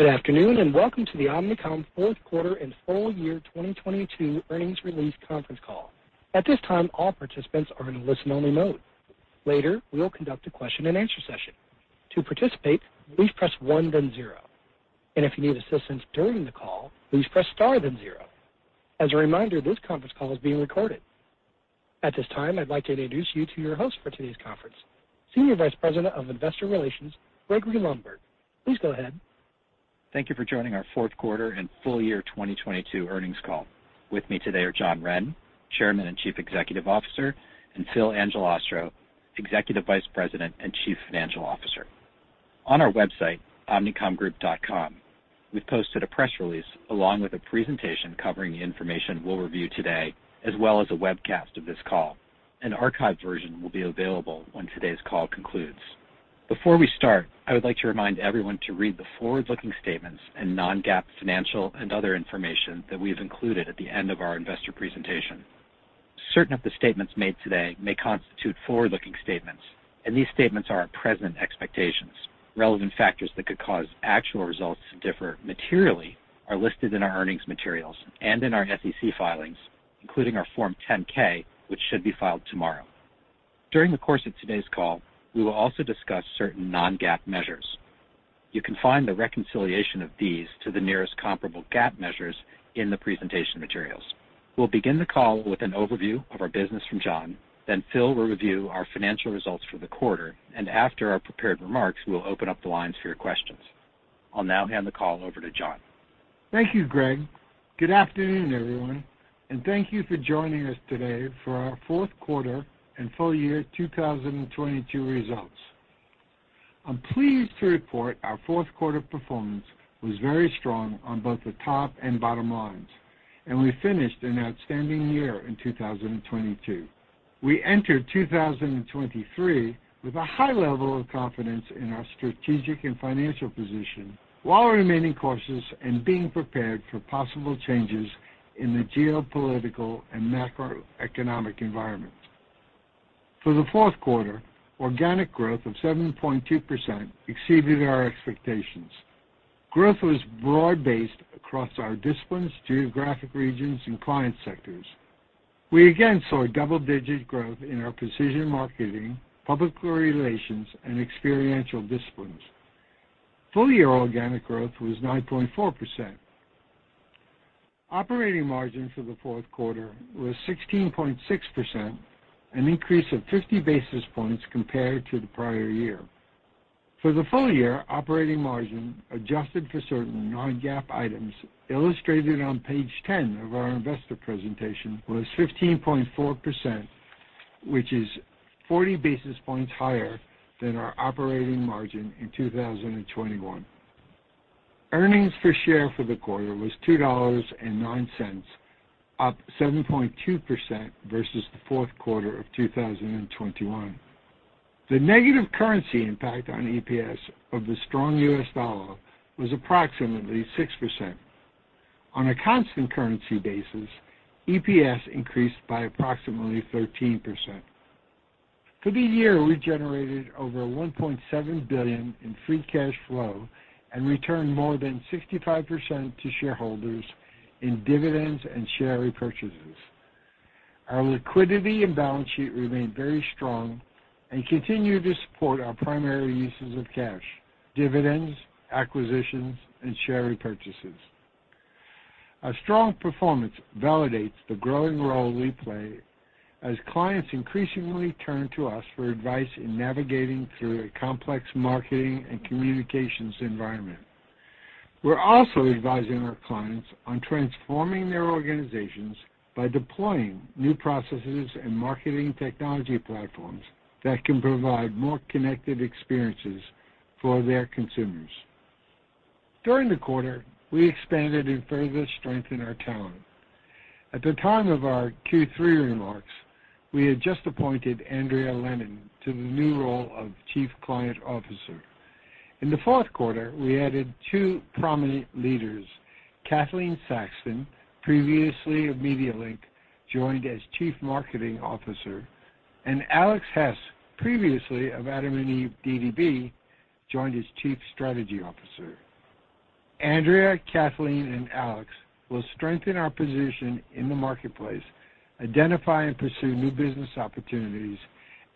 Good afternoon, welcome to the Omnicom fourth quarter and full year 2022 earnings release conference call. At this time, all participants are in a listen-only mode. Later, we will conduct a question-and-answer session. To participate, please press one then zero. If you need assistance during the call, please press star then zero. As a reminder, this conference call is being recorded. At this time, I'd like to introduce you to your host for today's conference, Senior Vice President of Investor Relations, Gregory Lundberg. Please go ahead. Thank you for joining our fourth quarter and full year 2022 earnings call. With me today are John Wren, Chairman and Chief Executive Officer, and Phil Angelastro, Executive Vice President and Chief Financial Officer. On our website, omnicomgroup.com, we've posted a press release along with a presentation covering the information we'll review today, as well as a webcast of this call. An archived version will be available when today's call concludes. Before we start, I would like to remind everyone to read the forward-looking statements and non-GAAP financial and other information that we have included at the end of our investor presentation. Certain of the statements made today may constitute forward-looking statements, and these statements are our present expectations. Relevant factors that could cause actual results to differ materially are listed in our earnings materials and in our SEC filings, including our Form 10-K, which should be filed tomorrow. During the course of today's call, we will also discuss certain non-GAAP measures. You can find the reconciliation of these to the nearest comparable GAAP measures in the presentation materials. We'll begin the call with an overview of our business from John. Phil will review our financial results for the quarter. After our prepared remarks, we'll open up the lines for your questions. I'll now hand the call over to John. Thank you, Greg. Good afternoon, everyone, and thank you for joining us today for our fourth quarter and full year 2022 results. I'm pleased to report our fourth quarter performance was very strong on both the top and bottom lines, and we finished an outstanding year in 2022. We entered 2023 with a high level of confidence in our strategic and financial position while remaining cautious and being prepared for possible changes in the geopolitical and macroeconomic environment. For the fourth quarter, organic growth of 7.2% exceeded our expectations. Growth was broad-based across our disciplines, geographic regions, and client sectors. We again saw double-digit growth in our precision marketing, public relations, and experiential disciplines. Full-year organic growth was 9.4%. Operating margin for the fourth quarter was 16.6%, an increase of 50 basis points compared to the prior year. For the full year, operating margin, adjusted for certain non-GAAP items illustrated on page 10 of our investor presentation, was 15.4%, which is 40 basis points higher than our operating margin in 2021. Earnings per share for the quarter was $2.09, up 7.2% versus the fourth quarter of 2021. The negative currency impact on EPS of the strong U.S. dollar was approximately 6%. On a constant currency basis, EPS increased by approximately 13%. For the year, we generated over $1.7 billion in free cash flow and returned more than 65% to shareholders in dividends and share repurchases. Our liquidity and balance sheet remain very strong and continue to support our primary uses of cash, dividends, acquisitions, and share repurchases. Our strong performance validates the growing role we play as clients increasingly turn to us for advice in navigating through a complex marketing and communications environment. We're also advising our clients on transforming their organizations by deploying new processes and marketing technology platforms that can provide more connected experiences for their consumers. During the quarter, we expanded and further strengthened our talent. At the time of our Q3 remarks, we had just appointed Andrea Lennon to the new role of Chief Client Officer. In the fourth quarter, we added two prominent leaders. Kathleen Saxton, previously of MediaLink, joined as Chief Marketing Officer, and Alex Hesz, previously of adam&eve and DDB, joined as Chief Strategy Officer. Andrea, Kathleen, and Alex will strengthen our position in the marketplace, identify and pursue new business opportunities,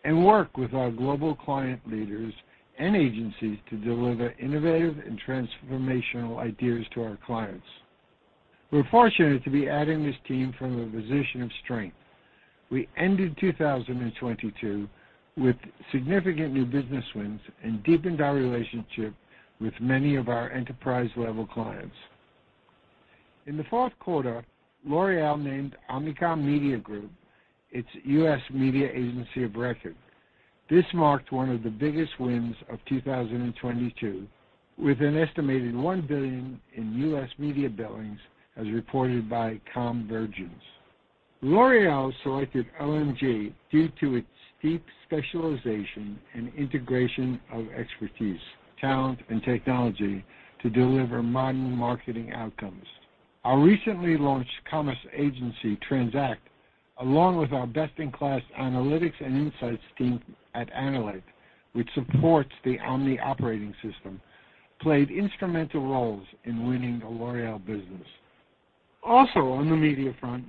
and work with our global client leaders and agencies to deliver innovative and transformational ideas to our clients. We're fortunate to be adding this team from a position of strength. We ended 2022 with significant new business wins and deepened our relationship with many of our enterprise-level clients. In the fourth quarter, L'Oréal named Omnicom Media Group its U.S. media agency of record. This marked one of the biggest wins of 2022, with an estimated $1 billion in U.S. media billings as reported by COMvergence. L'Oréal selected OMG due to its deep specialization and integration of expertise, talent, and technology to deliver modern marketing outcomes. Our recently launched commerce agency, Transact, along with our best-in-class analytics and insights team at Annalect, which supports the Omni operating system, played instrumental roles in winning the L'Oréal business. Also on the media front,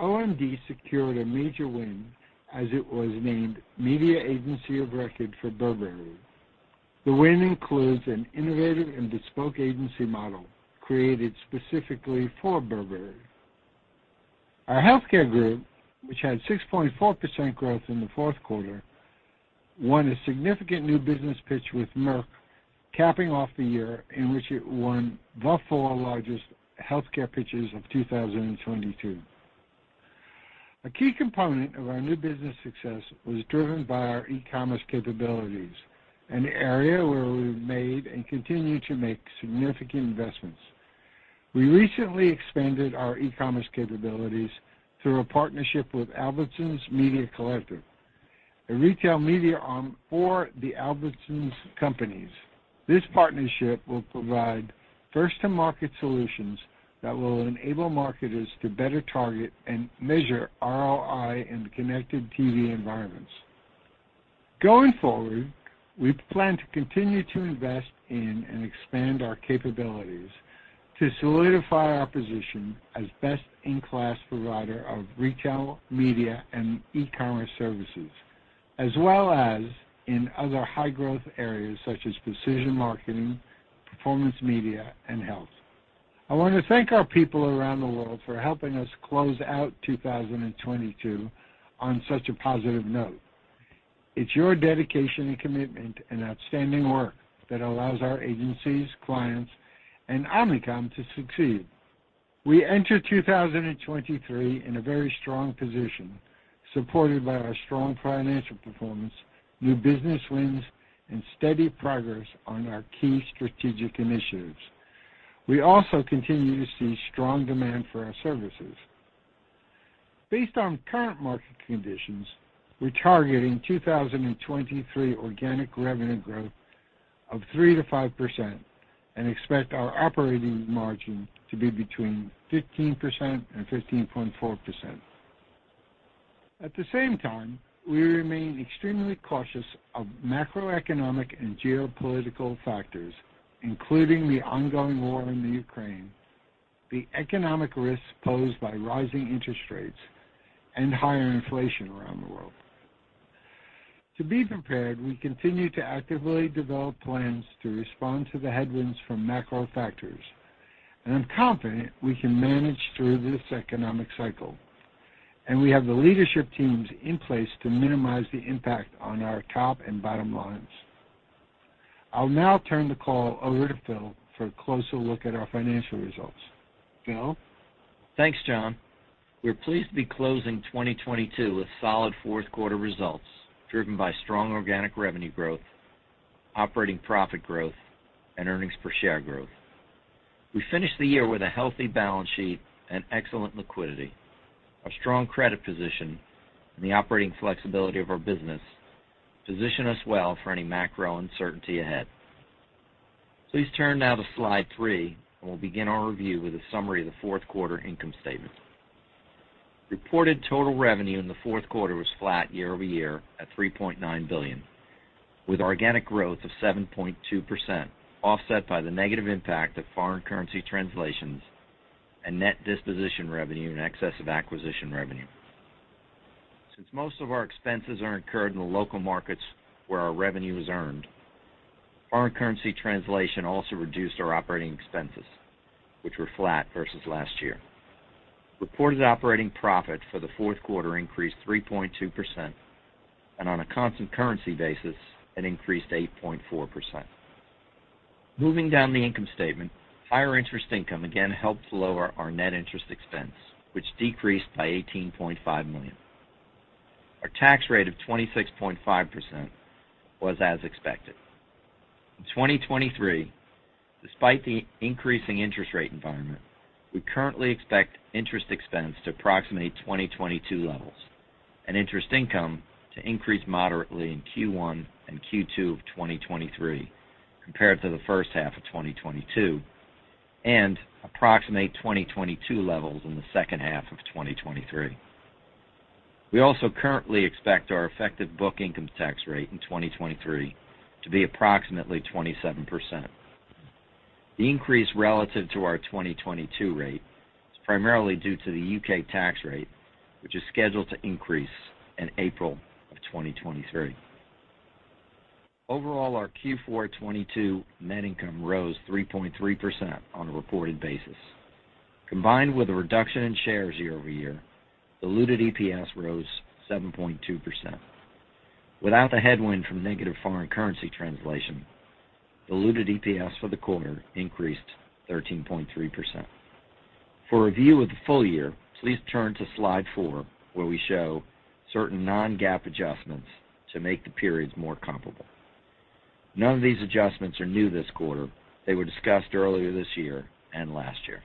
OMD secured a major win as it was named Media Agency of Record for Burberry. The win includes an innovative and bespoke agency model created specifically for Burberry. Our healthcare group, which had 6.4% growth in the fourth quarter, won a significant new business pitch with Merck, capping off the year in which it won the four largest healthcare pitches of 2022. A key component of our new business success was driven by our e-commerce capabilities, an area where we've made and continue to make significant investments. We recently expanded our e-commerce capabilities through a partnership with Albertsons Media Collective, a retail media arm for the Albertsons Companies. This partnership will provide first-to-market solutions that will enable marketers to better target and measure ROI in the connected TV environments. Going forward, we plan to continue to invest in and expand our capabilities to solidify our position as best-in-class provider of retail, media, and e-commerce services, as well as in other high-growth areas such as precision marketing, performance media, and health. I want to thank our people around the world for helping us close out 2022 on such a positive note. It's your dedication and commitment and outstanding work that allows our agencies, clients, and Omnicom to succeed. We enter 2023 in a very strong position, supported by our strong financial performance, new business wins, and steady progress on our key strategic initiatives. We also continue to see strong demand for our services. Based on current market conditions, we're targeting 2023 organic revenue growth of 3%-5% and expect our operating margin to be between 15% and 15.4%. At the same time, we remain extremely cautious of macroeconomic and geopolitical factors, including the ongoing war in Ukraine, the economic risks posed by rising interest rates, and higher inflation around the world. To be prepared, we continue to actively develop plans to respond to the headwinds from macro factors, and I'm confident we can manage through this economic cycle, and we have the leadership teams in place to minimize the impact on our top and bottom lines. I'll now turn the call over to Phil for a closer look at our financial results. Phil? Thanks, John. We're pleased to be closing 2022 with solid fourth quarter results driven by strong organic revenue growth, operating profit growth, and earnings per share growth. We finished the year with a healthy balance sheet and excellent liquidity. Our strong credit position and the operating flexibility of our business position us well for any macro uncertainty ahead. Please turn now to Slide 3, we'll begin our review with a summary of the fourth quarter income statement. Reported total revenue in the fourth quarter was flat year-over-year at $3.9 billion, with organic growth of 7.2%, offset by the negative impact of foreign currency translations and net disposition revenue in excess of acquisition revenue. Since most of our expenses are incurred in the local markets where our revenue is earned, foreign currency translation also reduced our operating expenses, which were flat versus last year. Reported operating profit for the fourth quarter increased 3.2%, and on a constant currency basis, it increased 8.4%. Moving down the income statement, higher interest income again helped lower our net interest expense, which decreased by $18.5 million. Our tax rate of 26.5% was as expected. In 2023, despite the increasing interest rate environment, we currently expect interest expense to approximate 2022 levels and interest income to increase moderately in Q1 and Q2 of 2023 compared to the first half of 2022 and approximate 2022 levels in the second half of 2023. We also currently expect our effective book income tax rate in 2023 to be approximately 27%. The increase relative to our 2022 rate is primarily due to the U.K. tax rate, which is scheduled to increase in April of 2023. Overall, our Q4 2022 net income rose 3.3% on a reported basis. Combined with a reduction in shares year-over-year, diluted EPS rose 7.2%. Without the headwind from negative foreign currency translation, diluted EPS for the quarter increased 13.3%. For a view of the full year, please turn to Slide 4, where we show certain non-GAAP adjustments to make the periods more comparable. None of these adjustments are new this quarter. They were discussed earlier this year and last year.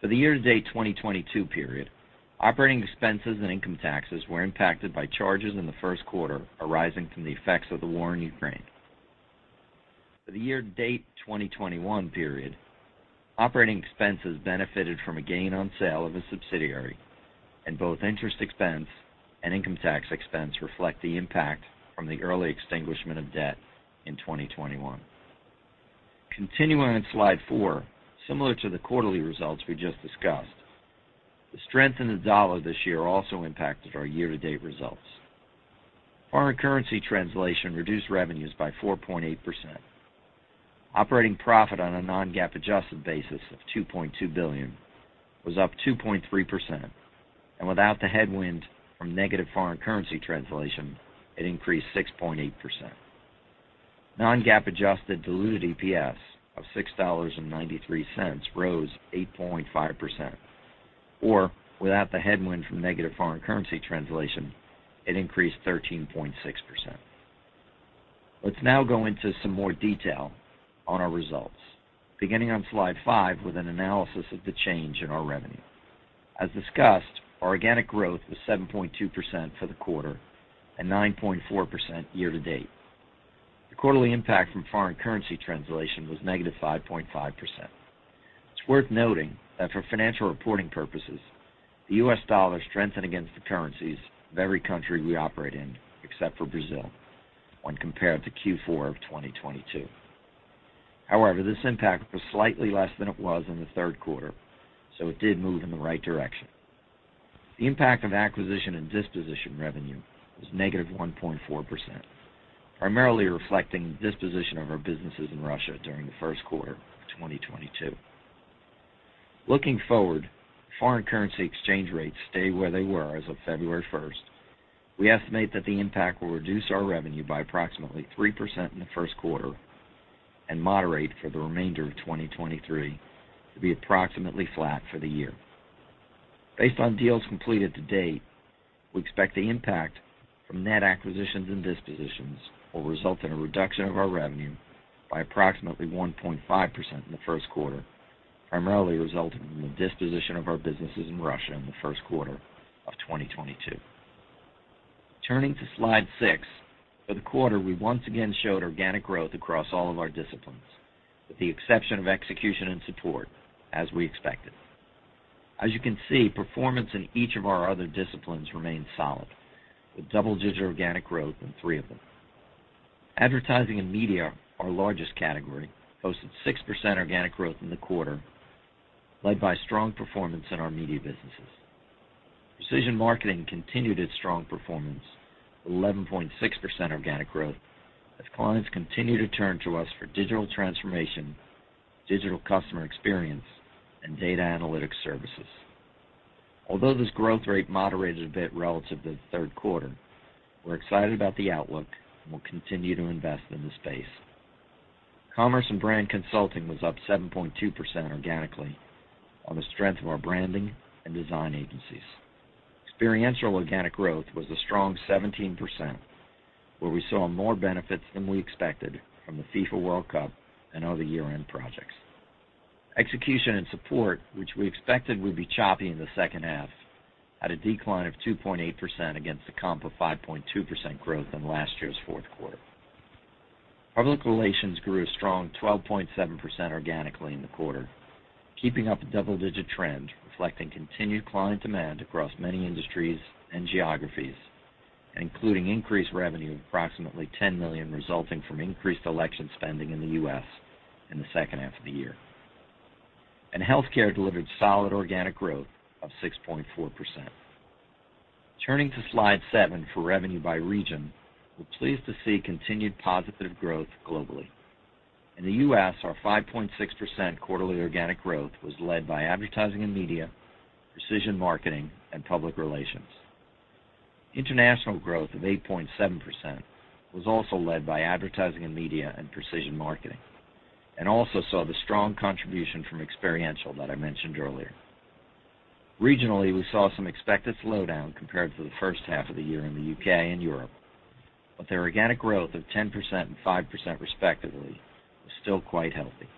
For the year-to-date 2022 period, operating expenses and income taxes were impacted by charges in the first quarter arising from the effects of the war in Ukraine. For the year-to-date 2021 period, operating expenses benefited from a gain on sale of a subsidiary, and both interest expense and income tax expense reflect the impact from the early extinguishment of debt in 2021. Continuing on slide four, similar to the quarterly results we just discussed, the strength in the dollar this year also impacted our year-to-date results. Foreign currency translation reduced revenues by 4.8%. Operating profit on a non-GAAP Adjusted basis of $2.2 billion was up 2.3%. Without the headwind from negative foreign currency translation, it increased 6.8%. Non-GAAP Adjusted diluted EPS of $6.93 rose 8.5%, or without the headwind from negative foreign currency translation, it increased 13.6%. Let's now go into some more detail on our results, beginning on Slide 5 with an analysis of the change in our revenue. As discussed, our organic growth was 7.2% for the quarter and 9.4% year to date. The quarterly impact from foreign currency translation was negative 5.5%. It's worth noting that for financial reporting purposes, the U.S. dollar strengthened against the currencies of every country we operate in, except for Brazil when compared to Q4 of 2022. This impact was slightly less than it was in the third quarter, so it did move in the right direction. The impact of acquisition and disposition revenue was negative 1.4%, primarily reflecting the disposition of our businesses in Russia during the first quarter of 2022. Looking forward, if foreign currency exchange rates stay where they were as of February 1st, we estimate that the impact will reduce our revenue by approximately 3% in the first quarter and moderate for the remainder of 2023 to be approximately flat for the year. Based on deals completed to date, we expect the impact from net acquisitions and dispositions will result in a reduction of our revenue by approximately 1.5% in the first quarter, primarily resulting from the disposition of our businesses in Russia in the first quarter of 2022. Turning to Slide 6. For the quarter, we once again showed organic growth across all of our disciplines, with the exception of execution and support, as we expected. As you can see, performance in each of our other disciplines remained solid, with double-digit organic growth in three of them. Advertising and media, our largest category, posted 6% organic growth in the quarter, led by strong performance in our media businesses. Precision marketing continued its strong performance, 11.6% organic growth, as clients continue to turn to us for digital transformation, digital customer experience, and data analytics services. Although this growth rate moderated a bit relative to the third quarter, we're excited about the outlook and will continue to invest in the space. Commerce and brand consulting was up 7.2% organically on the strength of our branding and design agencies. Experiential organic growth was a strong 17%, where we saw more benefits than we expected from the FIFA World Cup and other year-end projects. Execution and support, which we expected would be choppy in the second half, had a decline of 2.8% against the comp of 5.2% growth in last year's fourth quarter. Public relations grew a strong 12.7% organically in the quarter, keeping up a double-digit trend reflecting continued client demand across many industries and geographies, including increased revenue of approximately $10 million, resulting from increased election spending in the U.S. in the second half of the year. Healthcare delivered solid organic growth of 6.4%. Turning to Slide 7 for revenue by region, we're pleased to see continued positive growth globally. In the U.S., our 5.6% quarterly organic growth was led by advertising and media, precision marketing, and public relations. International growth of 8.7% was also led by advertising and media and precision marketing, and also saw the strong contribution from experiential that I mentioned earlier. Regionally, we saw some expected slowdown compared to the first half of the year in the U.K. and Europe. Their organic growth of 10% and 5% respectively was still quite healthy.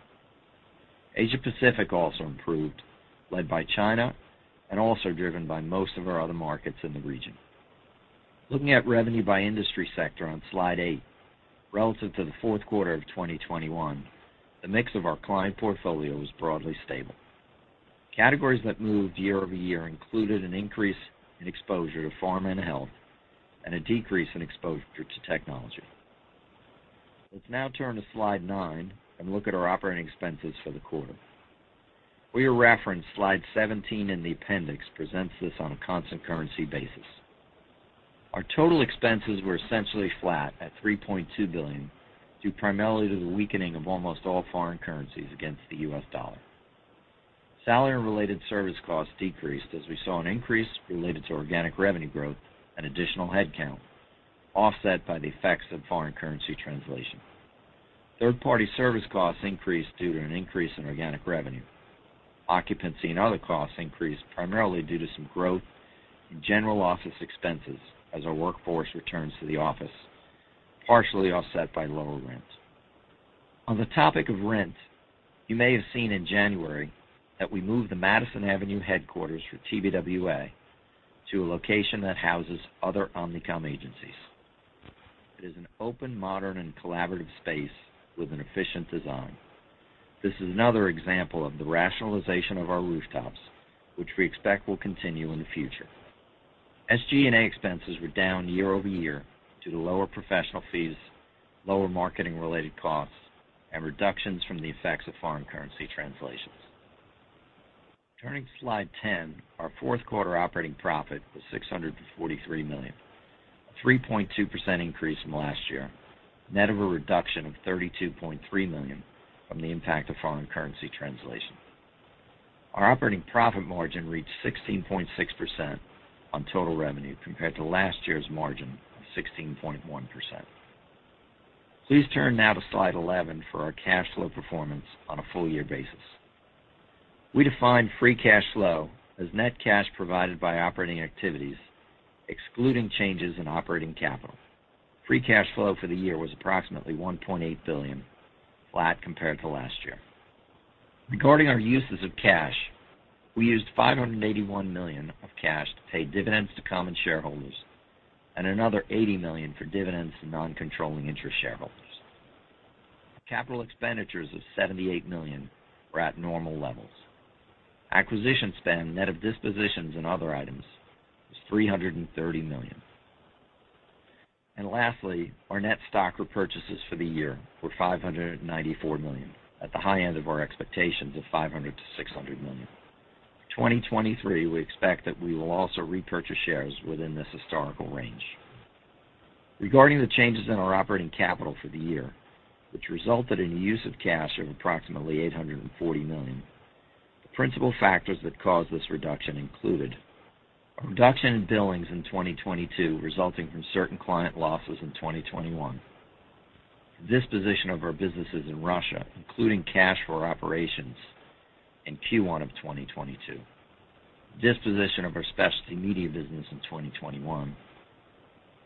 Asia-Pacific also improved, led by China and also driven by most of our other markets in the region. Looking at revenue by industry sector on Slide 8. Relative to the fourth quarter of 2021, the mix of our client portfolio was broadly stable. Categories that moved year-over-year included an increase in exposure to pharma and health and a decrease in exposure to technology. Let's now turn to Slide 9 and look at our operating expenses for the quarter. For your reference, Slide 17 in the appendix presents this on a constant currency basis. Our total expenses were essentially flat at $3.2 billion, due primarily to the weakening of almost all foreign currencies against the U.S. dollar. Salary and related service costs decreased as we saw an increase related to organic revenue growth and additional headcount, offset by the effects of foreign currency translation. Third-party service costs increased due to an increase in organic revenue. Occupancy and other costs increased primarily due to some growth in general office expenses as our workforce returns to the office, partially offset by lower rent. On the topic of rent, you may have seen in January that we moved the Madison Avenue headquarters for TBWA to a location that houses other Omnicom agencies. It is an open, modern, and collaborative space with an efficient design. This is another example of the rationalization of our rooftops, which we expect will continue in the future. SG&A expenses were down year-over-year due to lower professional fees, lower marketing-related costs, and reductions from the effects of foreign currency translations. Turning to Slide 10, our fourth quarter operating profit was $643 million, 3.2% increase from last year, net of a reduction of $32.3 million from the impact of foreign currency translation. Our operating profit margin reached 16.6% on total revenue compared to last year's margin of 16.1%. Please turn now to Slide 11 for our cash flow performance on a full year basis. We define free cash flow as net cash provided by operating activities, excluding changes in operating capital. Free cash flow for the year was approximately $1.8 billion, flat compared to last year. Regarding our uses of cash, we used $581 million of cash to pay dividends to common shareholders and another $80 million for dividends to non-controlling interest shareholders. Capital expenditures of $78 million were at normal levels. Acquisition spend, net of dispositions and other items, was $330 million. Lastly, our net stock repurchases for the year were $594 million, at the high end of our expectations of $500 million-$600 million. 2023, we expect that we will also repurchase shares within this historical range. Regarding the changes in our operating capital for the year, which resulted in use of cash of approximately $840 million, the principal factors that caused this reduction included a reduction in billings in 2022 resulting from certain client losses in 2021. Disposition of our businesses in Russia, including cash for operations in Q1 of 2022. Disposition of our specialty media business in 2021.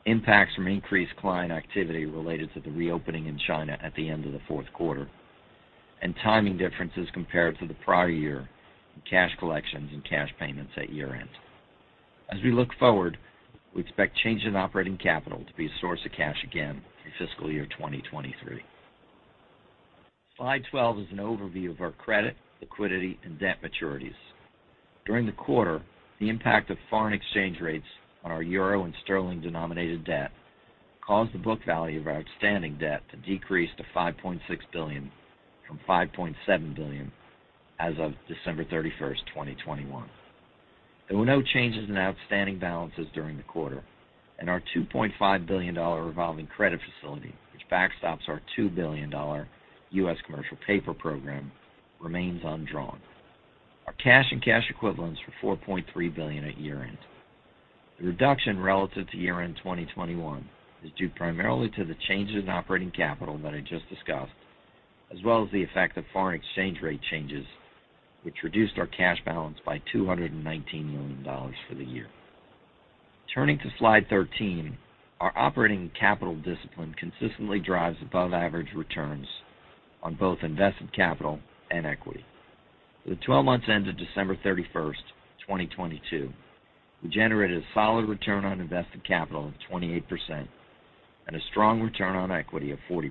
Impacts from increased client activity related to the reopening in China at the end of the fourth quarter. Timing differences compared to the prior year in cash collections and cash payments at year-end. As we look forward, we expect changes in operating capital to be a source of cash again through fiscal year 2023. Slide 12 is an overview of our credit, liquidity, and debt maturities. During the quarter, the impact of foreign exchange rates on our euro and sterling-denominated debt caused the book value of our outstanding debt to decrease to $5.6 billion from $5.7 billion as of December 31, 2021. There were no changes in outstanding balances during the quarter, and our $2.5 billion revolving credit facility, which backstops our $2 billion U.S. commercial paper program, remains undrawn. Our cash and cash equivalents were $4.3 billion at year-end. The reduction relative to year-end 2021 is due primarily to the changes in operating capital that I just discussed, as well as the effect of foreign exchange rate changes, which reduced our cash balance by $219 million for the year. Turning to slide 13, our operating capital discipline consistently drives above average returns on both invested capital and equity. For the 12 months end of December 31, 2022, we generated a solid return on invested capital of 28% and a strong return on equity of 40%.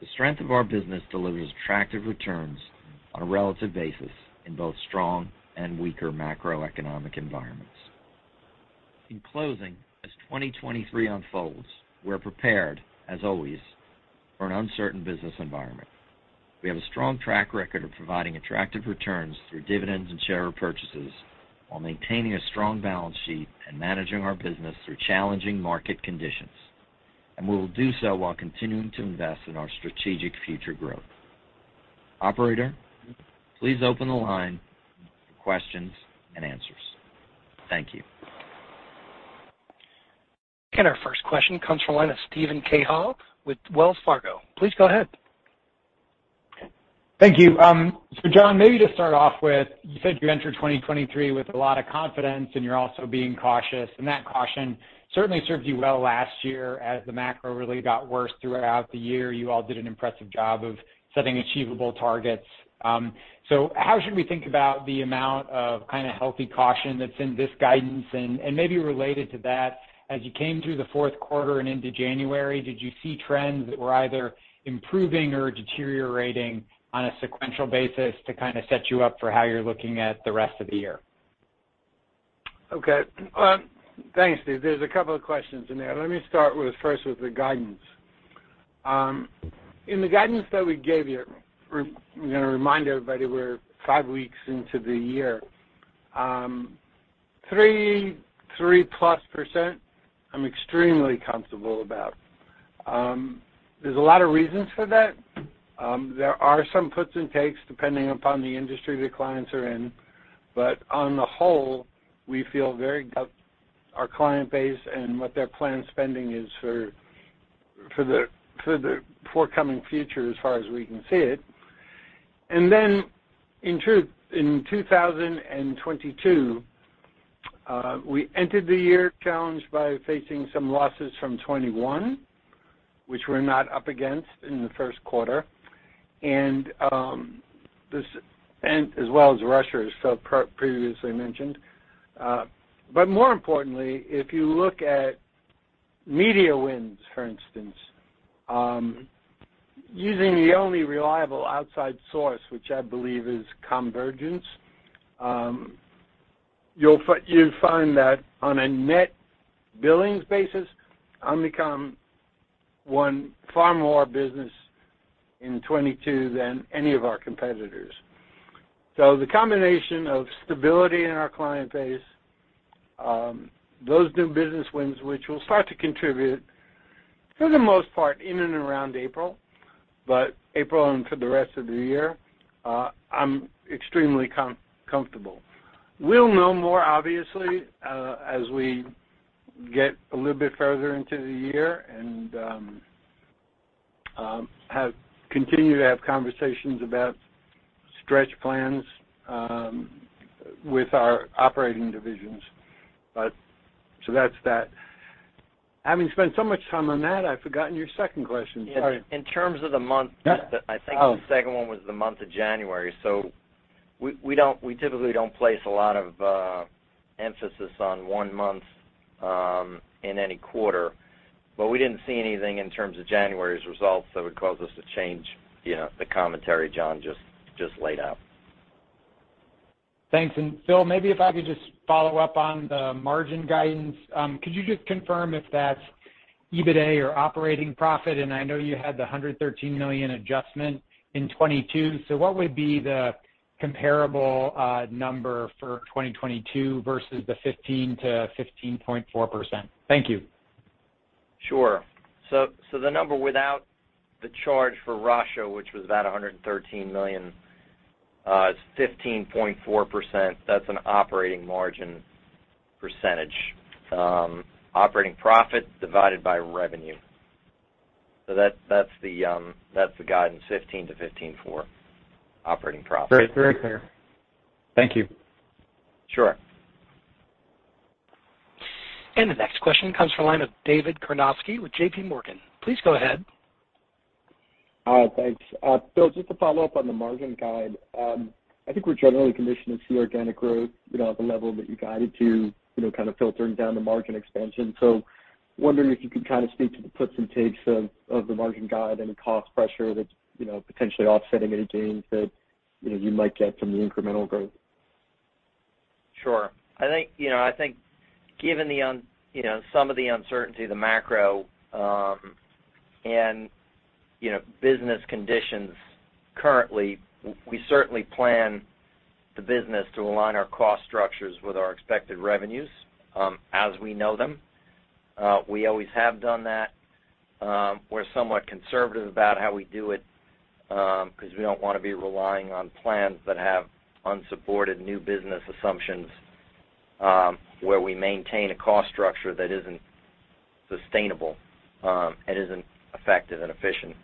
The strength of our business delivers attractive returns on a relative basis in both strong and weaker macroeconomic environments. In closing, as 2023 unfolds, we're prepared, as always, for an uncertain business environment. We have a strong track record of providing attractive returns through dividends and share repurchases while maintaining a strong balance sheet and managing our business through challenging market conditions. We will do so while continuing to invest in our strategic future growth. Operator, please open the line for questions and answers. Thank you. Our first question comes from the line of Steven Cahall with Wells Fargo. Please go ahead. Thank you. John, maybe to start off with, you said you entered 2023 with a lot of confidence and you're also being cautious. That caution certainly served you well last year. As the macro really got worse throughout the year, you all did an impressive job of setting achievable targets. How should we think about the amount of kinda healthy caution that's in this guidance? Maybe related to that, as you came through the fourth quarter and into January, did you see trends that were either improving or deteriorating on a sequential basis to kinda set you up for how you're looking at the rest of the year? Okay. Thanks, Steve. There's a couple of questions in there. Let me start with, first with the guidance. In the guidance that we gave you, I'm gonna remind everybody we're five weeks into the year. 3+% I'm extremely comfortable about. There's a lot of reasons for that. There are some puts and takes depending upon the industry the clients are in. But on the whole, we feel very good. Our client base and what their planned spending is for the forthcoming future as far as we can see it. In truth, in 2022, we entered the year challenged by facing some losses from twenty Which we're not up against in the first quarter. As well as Russia, previously mentioned. More importantly, if you look at media wins, for instance, using the only reliable outside source, which I believe is COMvergence, you'll find that on a net billings basis, Omnicom won far more business in 2022 than any of our competitors. The combination of stability in our client base, those new business wins, which will start to contribute for the most part in and around April, but April and for the rest of the year, I'm extremely comfortable. We'll know more, obviously, as we get a little bit further into the year and continue to have conversations about stretch plans with our operating divisions. That's that. Having spent so much time on that, I've forgotten your second question. Sorry. In terms of the month- Yeah. Oh. I think the second one was the month of January. We typically don't place a lot of emphasis on one month in any quarter. We didn't see anything in terms of January's results that would cause us to change, you know, the commentary John just laid out. Thanks. Phil, maybe if I could just follow up on the margin guidance. Could you just confirm if that's EBITDA or operating profit? I know you had the $113 million adjustment in 2022, so what would be the comparable number for 2022 versus the 15%-15.4%? Thank you. Sure. The number without the charge for Russia, which was about $113 million, is 15.4%. That's an operating margin percentage. Operating profit divided by revenue. That's the guidance, 15%-15.4% operating profit. Very clear. Thank you. Sure. The next question comes from the line of David Karnovsky with J.P. Morgan. Please go ahead. Thanks. Phil, just to follow up on the margin guide. I think we're generally conditioned to see organic growth, you know, at the level that you guided to, you know, kind of filtering down the margin expansion. Wondering if you could kind of speak to the puts and takes of the margin guide, any cost pressure that's, you know, potentially offsetting any gains that, you know, you might get from the incremental growth? Sure. I think, you know, I think given, you know, some of the uncertainty, the macro, and, you know, business conditions currently, we certainly plan the business to align our cost structures with our expected revenues, as we know them. We always have done that. We're somewhat conservative about how we do it, 'cause we don't wanna be relying on plans that have unsupported new business assumptions, where we maintain a cost structure that isn't sustainable, and isn't effective and efficient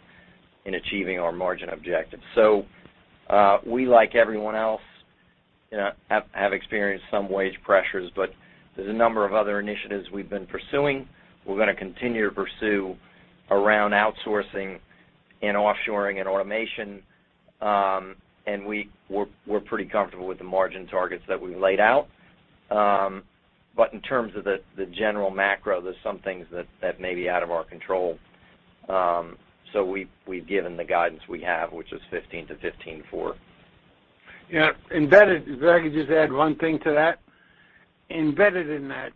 in achieving our margin objectives. We, like everyone else, have experienced some wage pressures, but there's a number of other initiatives we've been pursuing. We're gonna continue to pursue around outsourcing and offshoring and automation. And we're pretty comfortable with the margin targets that we've laid out. In terms of the general macro, there's some things that may be out of our control. We've given the guidance we have, which is 15%-15.4%. Yeah. If I could just add one thing to that. Embedded in that,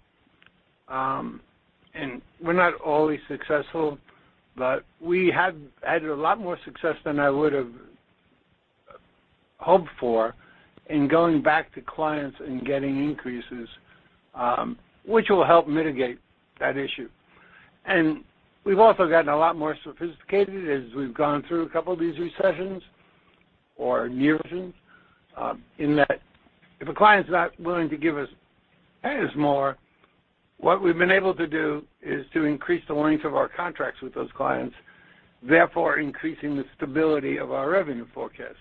we're not always successful, but we have had a lot more success than I would've hoped for in going back to clients and getting increases, which will help mitigate that issue. We've also gotten a lot more sophisticated as we've gone through a couple of these recessions or years since, in that if a client's not willing to give us more, what we've been able to do is to increase the length of our contracts with those clients, therefore increasing the stability of our revenue forecast.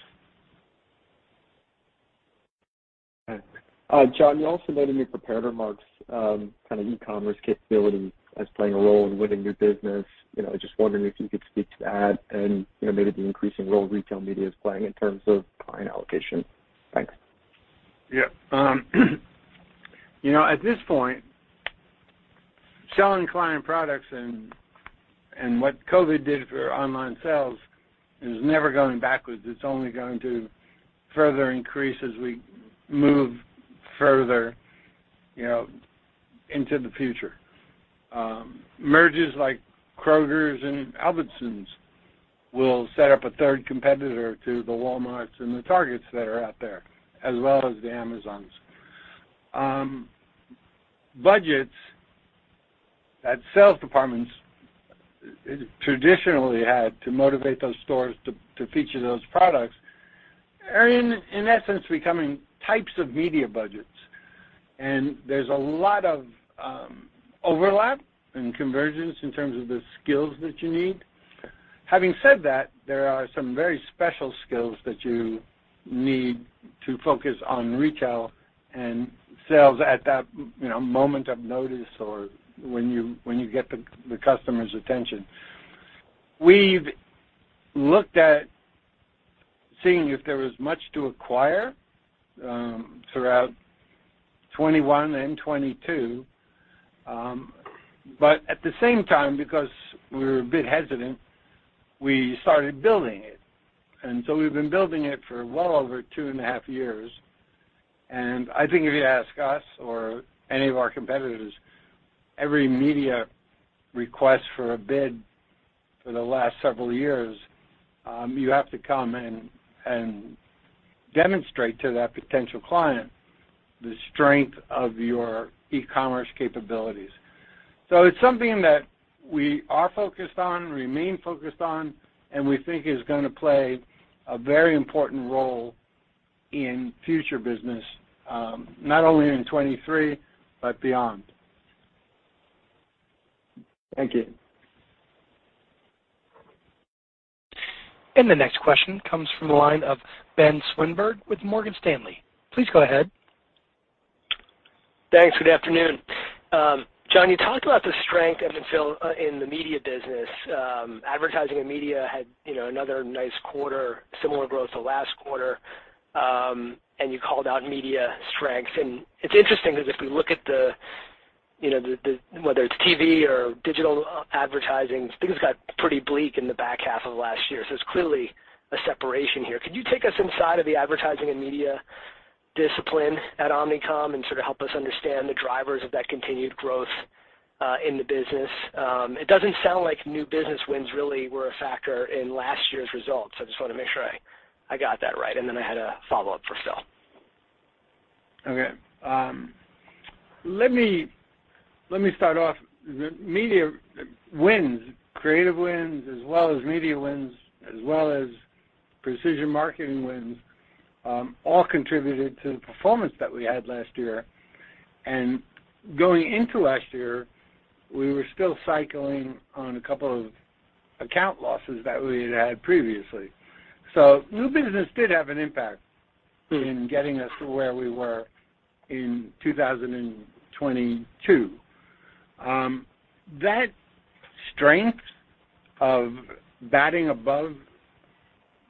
Okay. John, you also noted in your prepared remarks, kinda e-commerce capability as playing a role in winning new business. You know, just wondering if you could speak to that and, you know, maybe the increasing role retail media is playing in terms of client allocation. Thanks. Yeah. you know, at this point, selling client products and what COVID did for online sales is never going backwards. It's only going to further increase as we move further, you know, into the future. merges like Kroger and Albertsons will set up a third competitor to the Walmarts and the Targets that are out there, as well as the Amazons. budgets that sales departments traditionally had to motivate those stores to feature those products are in essence becoming types of media budgets. There's a lot of overlap and convergence in terms of the skills that you need. Having said that, there are some very special skills that you need to focus on retail and sales at that, you know, moment of notice or when you, when you get the customer's attention. We've looked at seeing if there was much to acquire, throughout 2021 and 2022, but at the same time, because we were a bit hesitant, we started building it. We've been building it for well over two and a half years. I think if you ask us or any of our competitors, every media request for a bid for the last several years, you have to come and demonstrate to that potential client the strength of your e-commerce capabilities. It's something that we are focused on, remain focused on, and we think is gonna play a very important role in future business, not only in 2023, but beyond. Thank you. The next question comes from the line of Ben Swinburne with Morgan Stanley. Please go ahead. Thanks. Good afternoon. John, you talked about the strength of Phil in the media business. advertising and media had, you know, another nice quarter, similar growth to last quarter. You called out media strength. It's interesting because if we look at the, you know, whether it's TV or digital advertising, things got pretty bleak in the back half of last year. It's clearly a separation here. Could you take us inside of the advertising and media discipline at Omnicom and sort of help us understand the drivers of that continued growth in the business? It doesn't sound like new business wins really were a factor in last year's results. I just wanna make sure I got that right. Then I had a follow-up for Phil. Okay. Let me start off. The media wins, creative wins, as well as media wins, as well as precision marketing wins, all contributed to the performance that we had last year. Going into last year, we were still cycling on a couple of account losses that we had previously. New business did have an impact in getting us to where we were in 2022. That strength of batting above,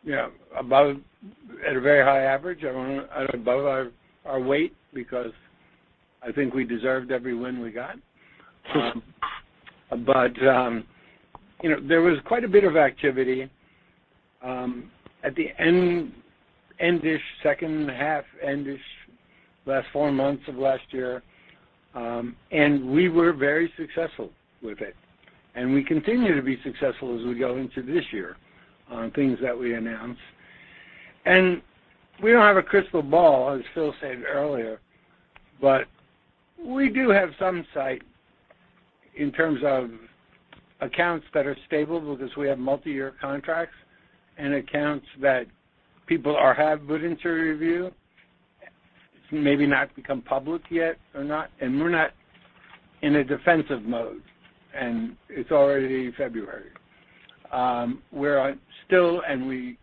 you know, above at a very high average and above our weight because I think we deserved every win we got. You know, there was quite a bit of activity at the end-ish second half, last four months of last year, we were very successful with it. We continue to be successful as we go into this year on things that we announced. We don't have a crystal ball, as Phil said earlier, but we do have some sight in terms of accounts that are stable because we have multiyear contracts and accounts that people have put into review, maybe not become public yet or not. We're not in a defensive mode, and it's already February. We're on still and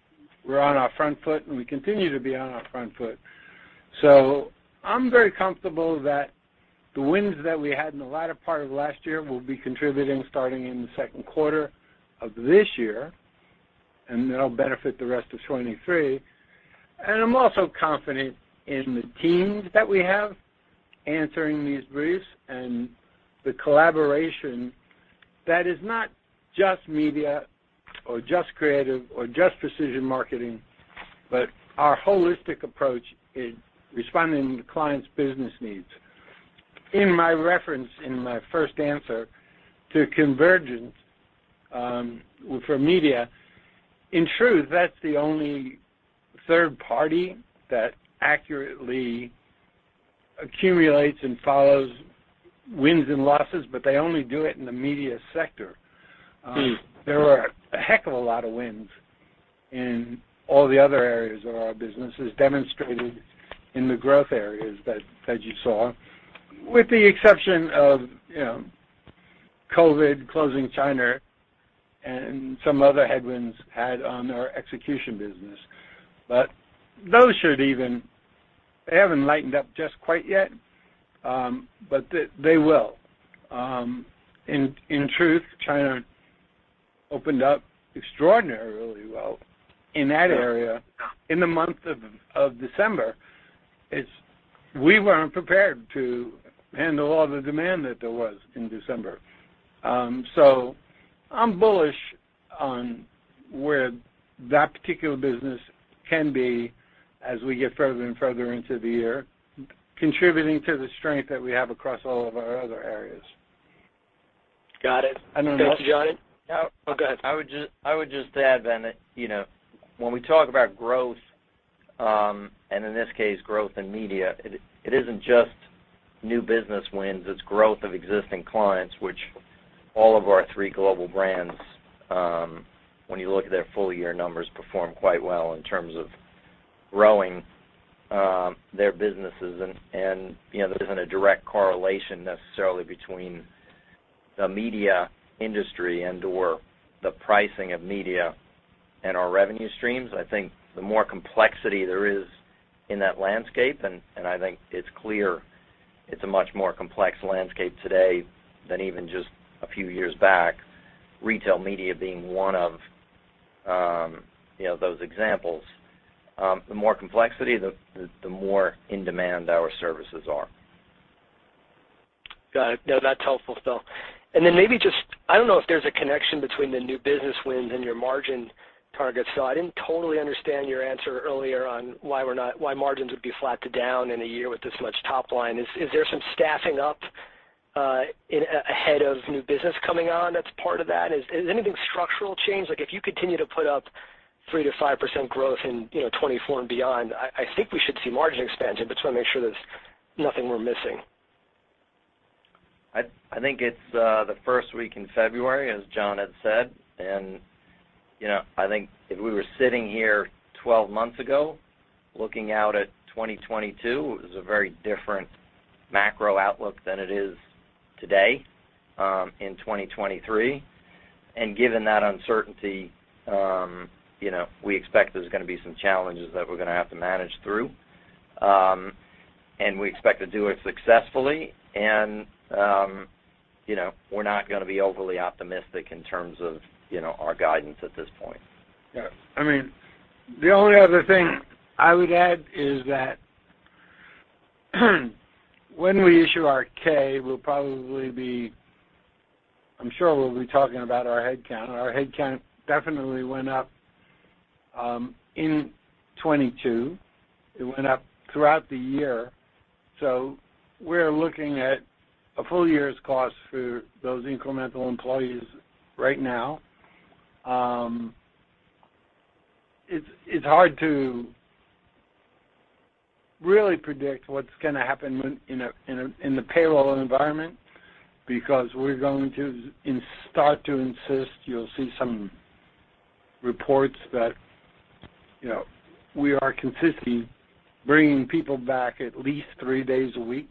we're on our front foot, and we continue to be on our front foot. I'm very comfortable that the wins that we had in the latter part of last year will be contributing starting in the second quarter of this year, and that'll benefit the rest of 2023. I'm also confident in the teams that we have answering these briefs and the collaboration that is not just media or just creative or just precision marketing, but our holistic approach in responding to clients' business needs. In my reference, in my first answer to COMvergence, for media, in truth, that's the only third party that accurately accumulates and follows wins and losses, but they only do it in the media sector. There are a heck of a lot of wins in all the other areas of our business as demonstrated in the growth areas that you saw, with the exception of, you know, COVID closing China and some other headwinds had on our execution business. They haven't lightened up just quite yet, but they will. In truth, China opened up extraordinarily well in that area in the month of December. We weren't prepared to handle all the demand that there was in December. I'm bullish on where that particular business can be as we get further and further into the year, contributing to the strength that we have across all of our other areas. Got it. I don't know. Thank you, John. Oh, go ahead. I would just add then that, you know, when we talk about growth, and in this case growth in media, it isn't just new business wins, it's growth of existing clients, which all of our three global brands, when you look at their full year numbers, perform quite well in terms of growing their businesses and, you know, there isn't a direct correlation necessarily between the media industry and/or the pricing of media and our revenue streams. I think the more complexity there is in that landscape, and I think it's clear it's a much more complex landscape today than even just a few years back, retail media being one of, you know, those examples. The more complexity, the more in demand our services are. Got it. No, that's helpful, Phil. Maybe I don't know if there's a connection between the new business wins and your margin targets. I didn't totally understand your answer earlier on why margins would be flat to down in a year with this much top line. Is there some staffing up ahead of new business coming on that's part of that? Is anything structural change? Like, if you continue to put up 3%-5% growth in, you know, 2024 and beyond, I think we should see margin expansion, just wanna make sure there's nothing we're missing. I think it's the first week in February, as John had said. you know, I think if we were sitting here 12 months ago, looking out at 2022, it was a very different macro outlook than it is today, in 2023. Given that uncertainty, you know, we expect there's gonna be some challenges that we're gonna have to manage through. We expect to do it successfully. you know, we're not gonna be overly optimistic in terms of, you know, our guidance at this point. Yeah. I mean, the only other thing I would add is that when we issue our K, I'm sure we'll be talking about our head count. Our head count definitely went up in 2022. It went up throughout the year. We're looking at a full year's cost for those incremental employees right now. It's hard to really predict what's gonna happen in the payroll environment, because we're going to start to insist. You'll see some reports that, you know, we are insisting bringing people back at least three days a week,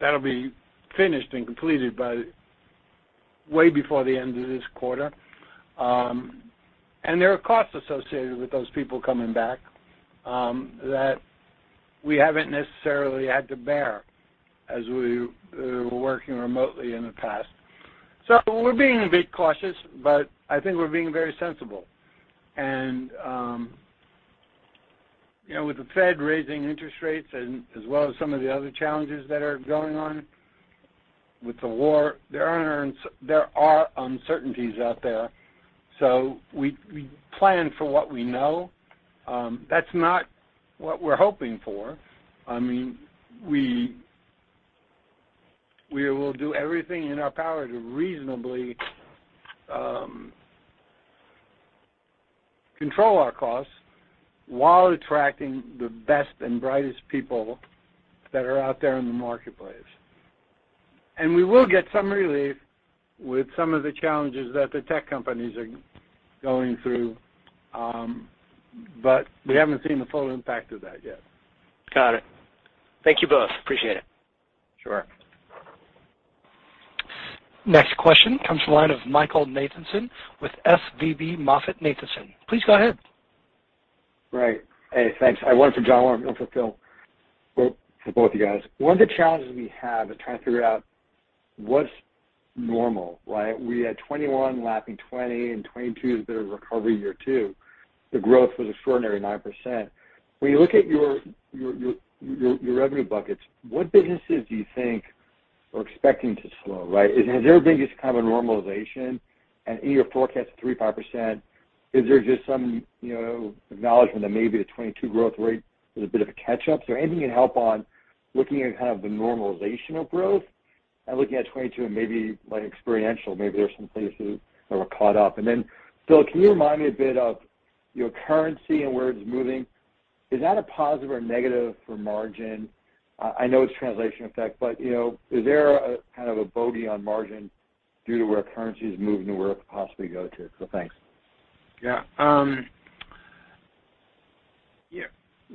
that'll be finished and completed by way before the end of this quarter. There are costs associated with those people coming back, that we haven't necessarily had to bear as we were working remotely in the past. We're being a bit cautious, but I think we're being very sensible. You know, with the Fed raising interest rates and as well as some of the other challenges that are going on with the war, there are uncertainties out there. We, we plan for what we know. That's not what we're hoping for. I mean, we will do everything in our power to reasonably control our costs while attracting the best and brightest people that are out there in the marketplace. We will get some relief with some of the challenges that the tech companies are going through. We haven't seen the full impact of that yet. Got it. Thank you both. Appreciate it. Sure. Next question comes the line of Michael Nathanson with SVB MoffettNathanson. Please go ahead. Right. Hey, thanks. One for John, one for Phil. Well, for both you guys. One of the challenges we have is trying to figure out what's normal, right? We had 2021 lapping 2020, and 2022 has been a recovery year too. The growth was extraordinary, 9%. When you look at your revenue buckets, what businesses do you think are expecting to slow, right? Has everything just kind of a normalization? In your forecast of 3%-5%, is there just some, you know, acknowledgement that maybe the 2022 growth rate was a bit of a catch-up? Anything you can help on looking at kind of the normalization of growth and looking at 2022 and maybe like experiential, maybe there's some places that were caught up. Phil, can you remind me a bit of your currency and where it's moving? Is that a positive or a negative for margin? I know it's translation effect, but, you know, is there a kind of a bogey on margin due to where currency is moving and where it could possibly go to? Thanks. Yeah,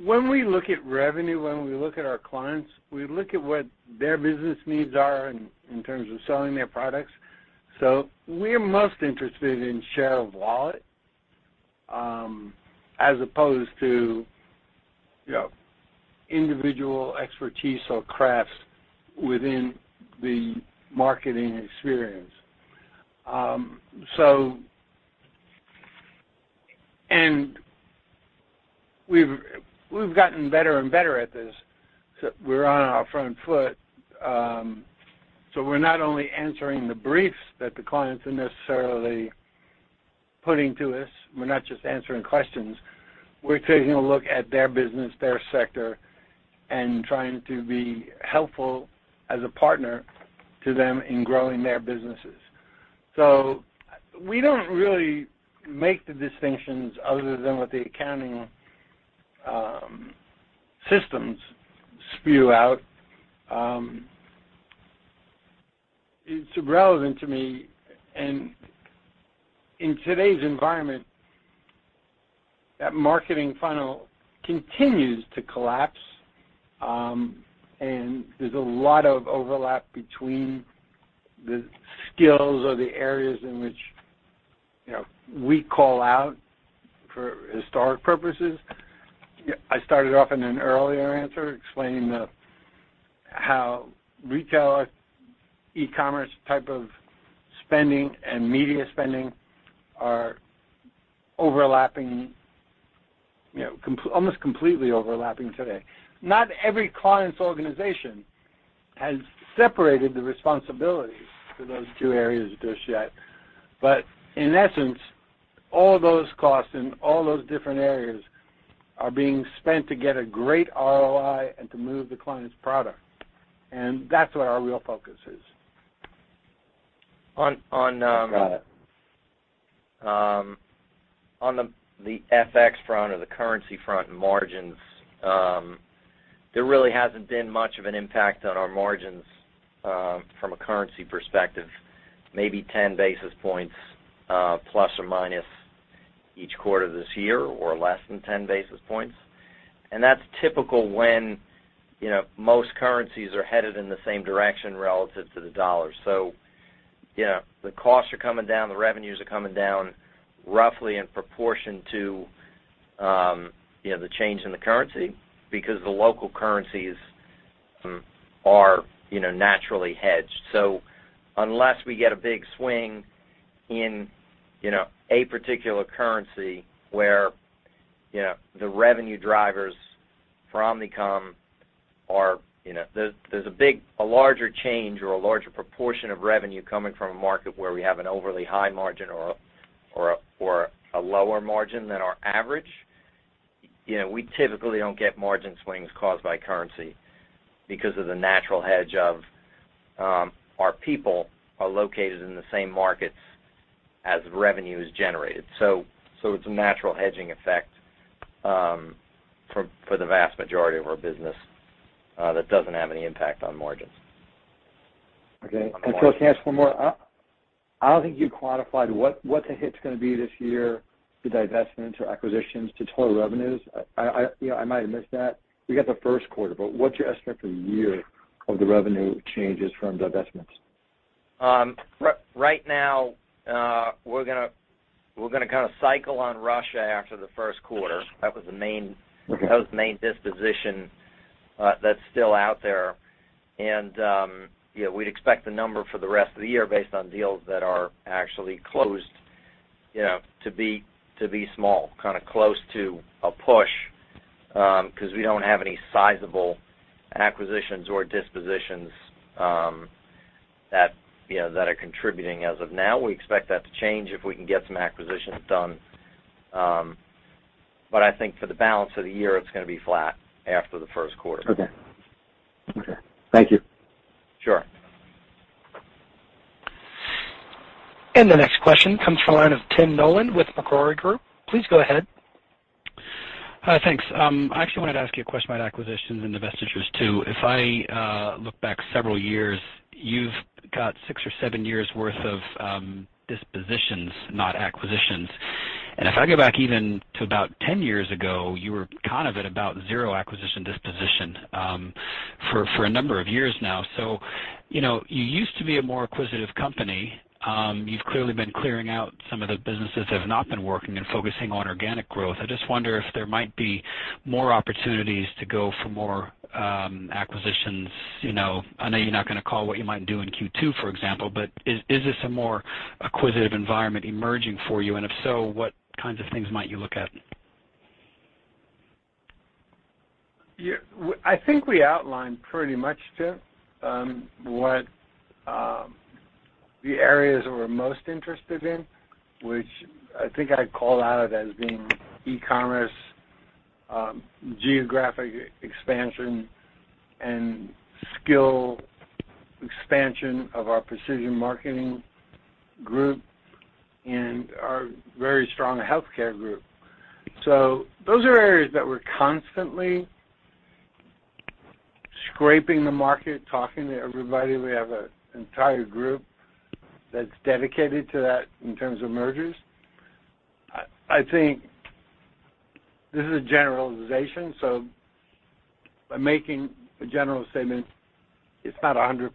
when we look at revenue, when we look at our clients, we look at what their business needs are in terms of selling their products. We're most interested in share of wallet, as opposed to, you know, individual expertise or crafts within the marketing experience. We've gotten better and better at this. We're on our front foot. We're not only answering the briefs that the clients are necessarily putting to us. We're not just answering questions. We're taking a look at their business, their sector, and trying to be helpful as a partner to them in growing their businesses. We don't really make the distinctions other than what the accounting systems spew out. It's relevant to me. In today's environment, that marketing funnel continues to collapse, and there's a lot of overlap between the skills or the areas in which, you know, we call out for historic purposes. I started off in an earlier answer explaining how retail e-commerce type of spending and media spending are overlapping, you know, almost completely overlapping today. Not every client's organization has separated the responsibilities for those two areas just yet. In essence, all those costs and all those different areas are being spent to get a great ROI and to move the client's product. That's where our real focus is. On. I've got it. On the FX front or the currency front margins, there really hasn't been much of an impact on our margins from a currency perspective. Maybe 10 basis points plus or minus each quarter this year or less than 10 basis points. That's typical when, you know, most currencies are headed in the same direction relative to the U.S. dollar. You know, the costs are coming down, the revenues are coming down roughly in proportion to, you know, the change in the currency because the local currencies are, you know, naturally hedged. Unless we get a big swing in, you know, a particular currency where, you know, the revenue drivers from Omnicom are, you know- There's a larger change or a larger proportion of revenue coming from a market where we have an overly high margin or a lower margin than our average. You know, we typically don't get margin swings caused by currency because of the natural hedge of our people are located in the same markets as revenue is generated. It's a natural hedging effect for the vast majority of our business that doesn't have any impact on margins. Okay. Can I ask one more? I don't think you quantified what the hit's gonna be this year to divestments or acquisitions to total revenues. You know, I might have missed that. We got the first quarter. What's your estimate for the year of the revenue changes from divestments? Right now, we're gonna kinda cycle on Russia after the first quarter. That was the main. Okay. That was the main disposition, that's still out there. You know, we'd expect the number for the rest of the year based on deals that are actually closed, you know, to be small, kinda close to a push, 'cause we don't have any sizable acquisitions or dispositions, that, you know, that are contributing as of now. We expect that to change if we can get some acquisitions done. I think for the balance of the year, it's gonna be flat after the first quarter. Okay. Okay. Thank you. Sure. The next question comes from the line of Tim Nollen with Macquarie Group. Please go ahead. Hi. Thanks. I actually wanted to ask you a question about acquisitions and divestitures, too. If I look back several years, you've got six or seven years' worth of dispositions, not acquisitions. If I go back even to about 10 years ago, you were kind of at about zero acquisition disposition, for a number of years now. You know, you used to be a more acquisitive company. You've clearly been clearing out some of the businesses that have not been working and focusing on organic growth. I just wonder if there might be more opportunities to go for more acquisitions. You know, I know you're not gonna call what you might do in Q2, for example, but is this a more acquisitive environment emerging for you? If so, what kinds of things might you look at? Yeah. I think we outlined pretty much, Tim, what the areas we're most interested in, which I think I called out as being e-commerce, geographic expansion and skill expansion of our precision marketing group and our very strong healthcare group. Those are areas that we're constantly scraping the market, talking to everybody. We have an entire group that's dedicated to that in terms of mergers. I think this is a generalization, so I'm making a general statement. It's not 100%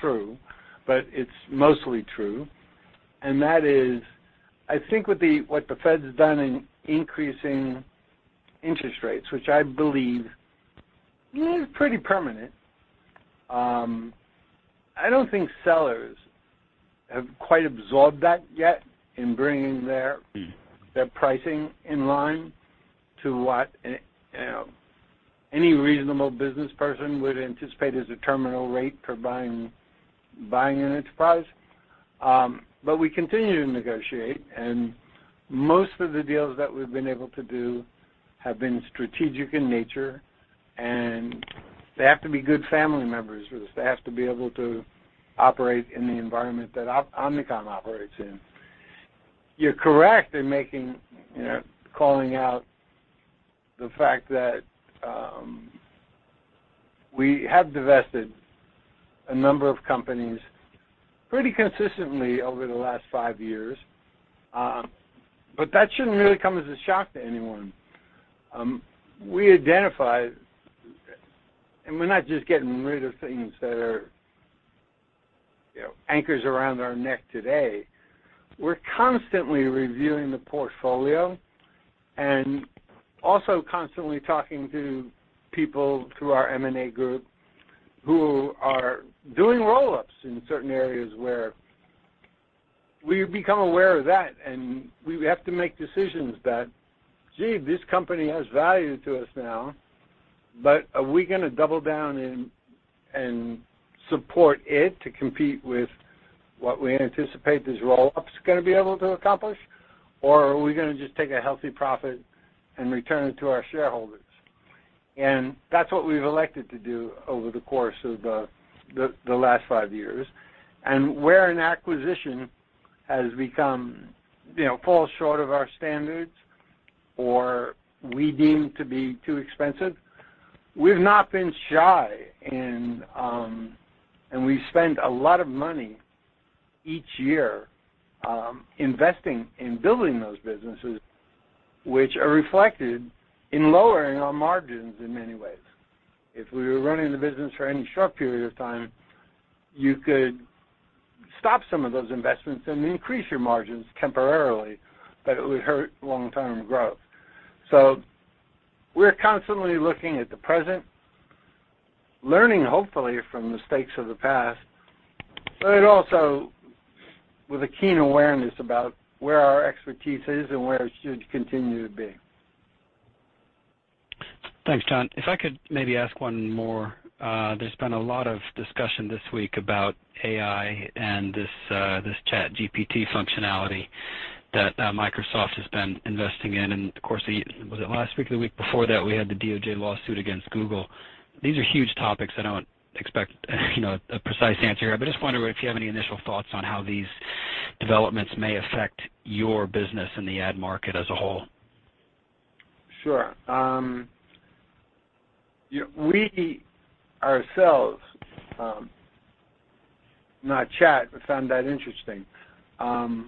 true, but it's mostly true. That is, I think with what the Fed has done in increasing interest rates, which I believe is pretty permanent, I don't think sellers have quite absorbed that yet in bringing their-- their pricing in line to what a, you know, any reasonable business person would anticipate as a terminal rate for buying an enterprise. We continue to negotiate, and most of the deals that we've been able to do have been strategic in nature, and they have to be good family members for this. They have to be able to operate in the environment that Omnicom operates in. You're correct in making, you know, calling out the fact that we have divested a number of companies pretty consistently over the last five years, but that shouldn't really come as a shock to anyone. We're not just getting rid of things that are, you know, anchors around our neck today. We're constantly reviewing the portfolio, constantly talking to people through our M&A group who are doing roll-ups in certain areas where we become aware of that. We have to make decisions that, gee, this company has value to us now, but are we gonna double down and support it to compete with what we anticipate this roll-up's gonna be able to accomplish? Or are we gonna just take a healthy profit and return it to our shareholders? That's what we've elected to do over the course of the last five years. Where an acquisition has become, you know, falls short of our standards or we deem to be too expensive, we've not been shy and we spend a lot of money each year investing in building those businesses, which are reflected in lowering our margins in many ways. If we were running the business for any short period of time, you could stop some of those investments and increase your margins temporarily, but it would hurt long-term growth. We're constantly looking at the present, learning, hopefully, from mistakes of the past, but it also with a keen awareness about where our expertise is and where it should continue to be. Thanks, John. If I could maybe ask one more. There's been a lot of discussion this week about AI and this ChatGPT functionality that Microsoft has been investing in. Of course, was it last week or the week before that we had the DOJ lawsuit against Google. These are huge topics. I don't expect, you know, a precise answer, but I just wonder if you have any initial thoughts on how these developments may affect your business and the ad market as a whole. Sure. You know, we ourselves, not Chat, but found that interesting, are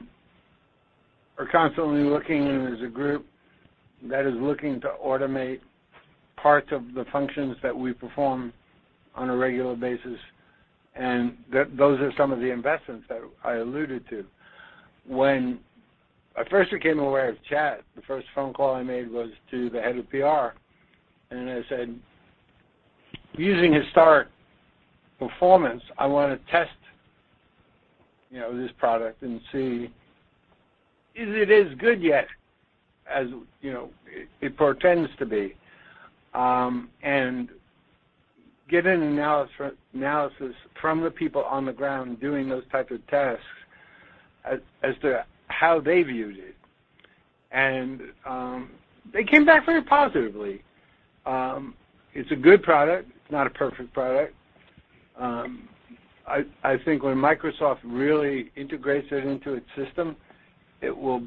constantly looking as a group that is looking to automate parts of the functions that we perform on a regular basis. Those are some of the investments that I alluded to. When I first became aware of Chat, the first phone call I made was to the head of PR. I said, "Using historic performance, I wanna test, you know, this product and see is it as good yet as, you know, it portends to be, and get an analysis from the people on the ground doing those type of tasks as to how they view it." They came back very positively. It's a good product. It's not a perfect product. I think when Microsoft really integrates it into its system, it will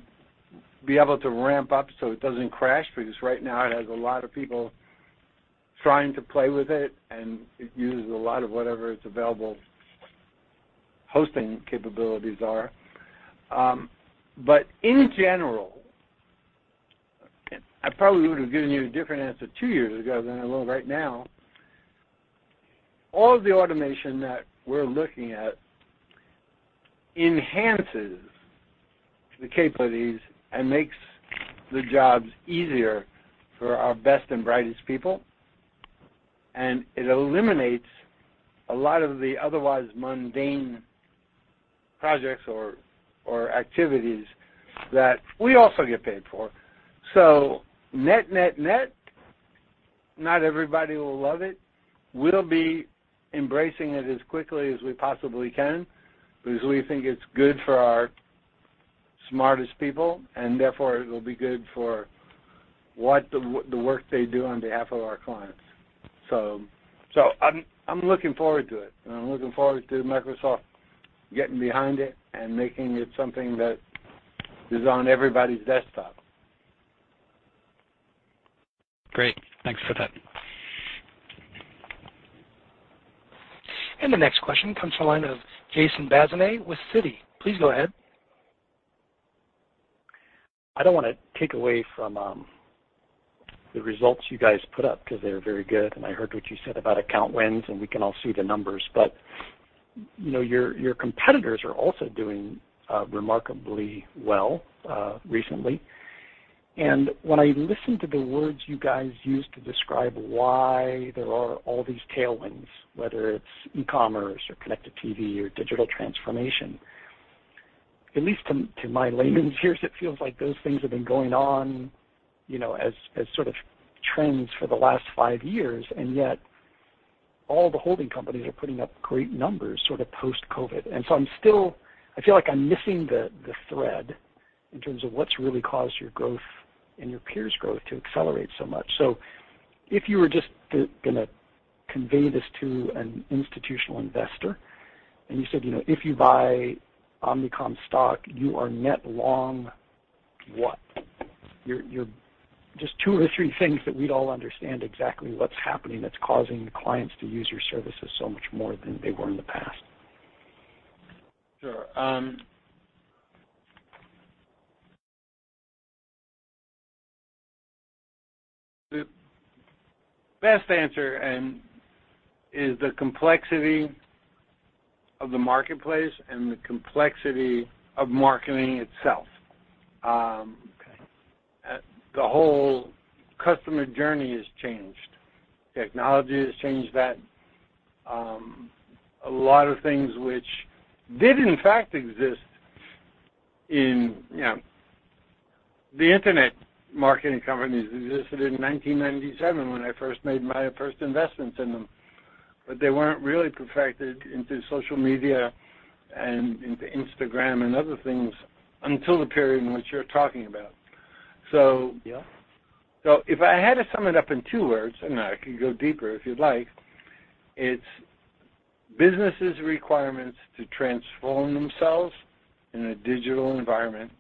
be able to ramp up so it doesn't crash, because right now it has a lot of people trying to play with it, and it uses a lot of whatever its available hosting capabilities are. In general, I probably would've given you a different answer two years ago than I will right now. All the automation that we're looking at enhances the capabilities and makes the jobs easier for our best and brightest people, and it eliminates a lot of the otherwise mundane projects or activities that we also get paid for. Net, net, not everybody will love it. We'll be embracing it as quickly as we possibly can because we think it's good for our smartest people, and therefore it'll be good for what the work they do on behalf of our clients. I'm looking forward to it, and I'm looking forward to Microsoft getting behind it and making it something that is on everybody's desktop. Great. Thanks for that. The next question comes from the line of Jason Bazinet with Citi. Please go ahead. I don't wanna take away from the results you guys put up because they're very good, and I heard what you said about account wins, and we can all see the numbers. You know, your competitors are also doing remarkably well recently. When I listen to the words you guys use to describe why there are all these tailwinds, whether it's e-commerce or connected TV or digital transformation, at least to my layman's ears, it feels like those things have been going on, you know, as sort of trends for the last five years, and yet all the holding companies are putting up great numbers sort of post-COVID. I feel like I'm missing the thread in terms of what's really caused your growth and your peers' growth to accelerate so much. If you were just gonna convey this to an institutional investor. You said, you know, if you buy Omnicom stock, you are net long what? Just two or three things that we'd all understand exactly what's happening that's causing the clients to use your services so much more than they were in the past. Sure. The best answer and is the complexity of the marketplace and the complexity of marketing itself. Okay. The whole customer journey has changed. Technology has changed that. A lot of things which did in fact exist in, you know, the internet marketing companies existed in 1997 when I first made my first investments in them. They weren't really perfected into social media and into Instagram and other things until the period in which you're talking about. Yeah. If I had to sum it up in two words, and I could go deeper if you'd like, it's businesses requirements to transform themselves in a digital environment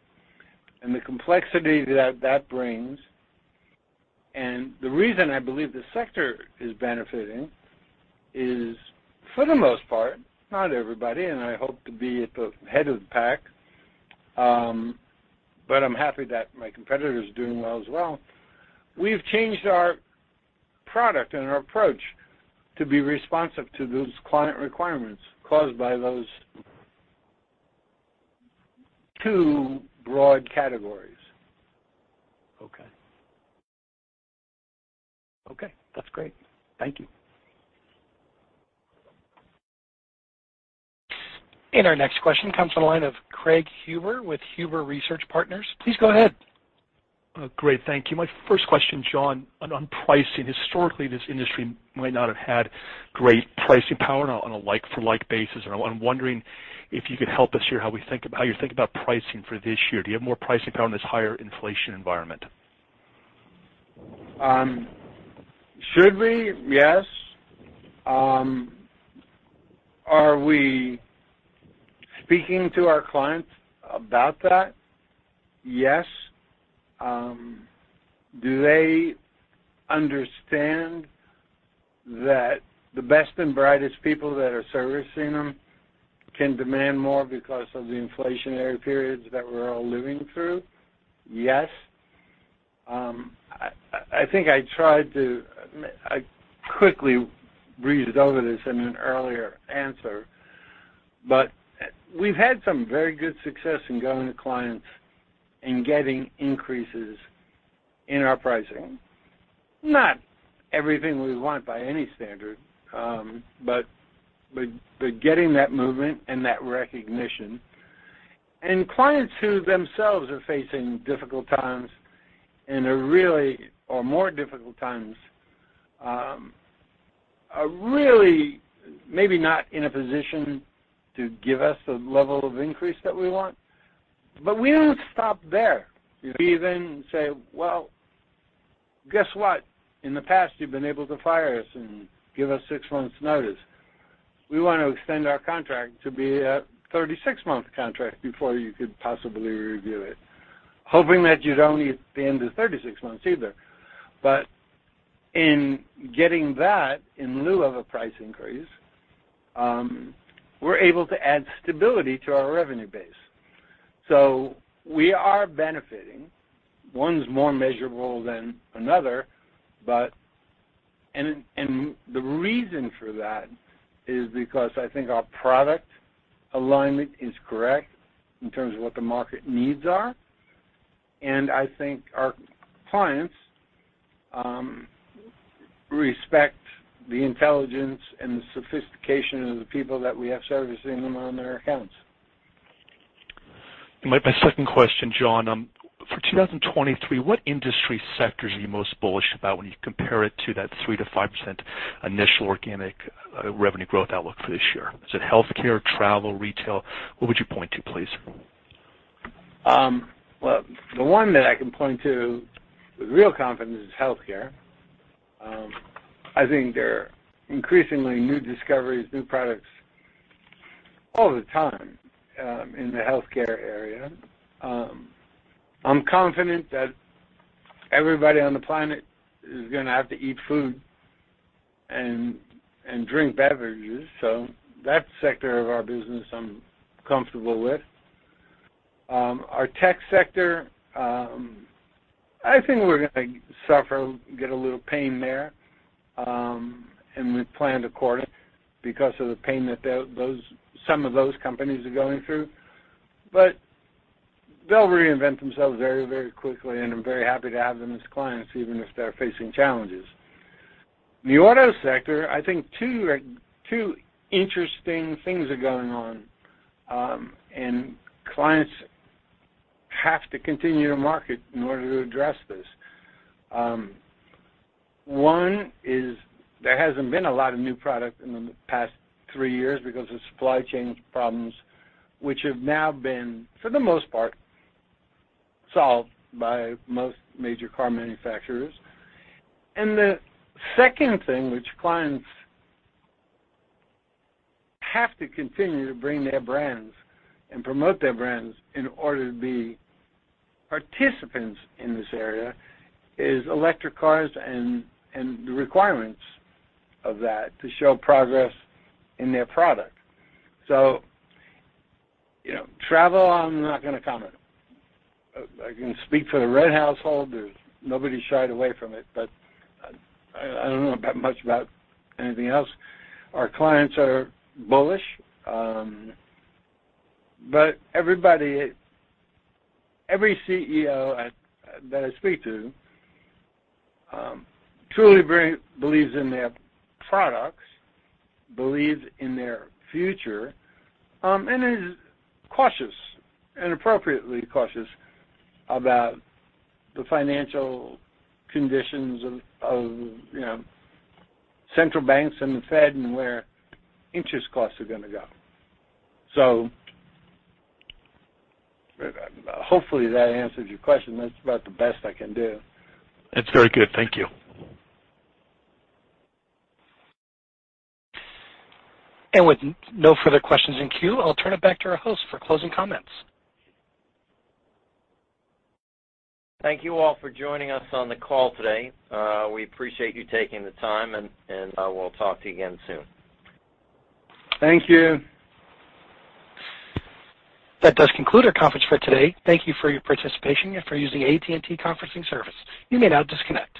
and the complexity that that brings. The reason I believe the sector is benefiting is, for the most part, not everybody, and I hope to be at the head of the pack, but I'm happy that my competitors are doing well as well. We've changed our product and our approach to be responsive to those client requirements caused by those two broad categories. Okay. Okay, that's great. Thank you. Our next question comes from the line of Craig Huber with Huber Research Partners. Please go ahead. Oh, great. Thank you. My first question, John, on pricing. Historically, this industry might not have had great pricing power on a like-for-like basis. I'm wondering if you could help us here, how you think about pricing for this year. Do you have more pricing power in this higher inflation environment? Should we? Yes. Are we speaking to our clients about that? Yes. Do they understand that the best and brightest people that are servicing them can demand more because of the inflationary periods that we're all living through? Yes. I think I tried to-- I quickly breezed over this in an earlier answer, but we've had some very good success in going to clients and getting increases in our pricing. Not everything we want by any standard, but getting that movement and that recognition. Clients who themselves are facing difficult times and are really or more difficult times, are really maybe not in a position to give us the level of increase that we want, but we don't stop there. We then say, "Well, guess what? In the past, you've been able to fire us and give us six months notice. We wanna extend our contract to be a 36-month contract before you could possibly review it, hoping that you don't need the end of 36 months either. In getting that in lieu of a price increase, we're able to add stability to our revenue base. We are benefiting. One's more measurable than another, but. The reason for that is because I think our product alignment is correct in terms of what the market needs are, and I think our clients respect the intelligence and the sophistication of the people that we have servicing them on their accounts. My second question, John. For 2023, what industry sectors are you most bullish about when you compare it to that 3%-5% initial organic revenue growth outlook for this year? Is it healthcare, travel, retail? What would you point to, please? Well, the one that I can point to with real confidence is healthcare. I think there are increasingly new discoveries, new products all the time in the healthcare area. I'm confident that everybody on the planet is gonna have to eat food and drink beverages, so that sector of our business I'm comfortable with. Our tech sector, I think we're gonna suffer, get a little pain there, and we've planned accordingly because of the pain that those, some of those companies are going through. They'll reinvent themselves very, very quickly, and I'm very happy to have them as clients, even if they're facing challenges. The auto sector, I think two interesting things are going on, and clients have to continue to market in order to address this. One is there hasn't been a lot of new product in the past three years because of supply chain problems, which have now been, for the most part, solved by most major car manufacturers. The second thing which clients have to continue to bring their brands and promote their brands in order to be participants in this area is electric cars and the requirements of that to show progress in their product. You know, travel, I'm not gonna comment. I can speak for the [Wren] householders. Nobody shied away from it, but I don't know that much about anything else. Our clients are bullish, but every CEO that I speak to, truly believes in their products, believes in their future, and is cautious and appropriately cautious about the financial conditions of, you know, central banks and the Fed and where interest costs are gonna go. Hopefully that answers your question. That's about the best I can do. It's very good. Thank you. With no further questions in queue, I'll turn it back to our host for closing comments. Thank you all for joining us on the call today. We appreciate you taking the time, and we'll talk to you again soon. Thank you. That does conclude our conference for today. Thank you for your participation and for using AT&T Conferencing Service. You may now disconnect.